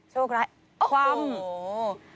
โชคร้ายโอ้โห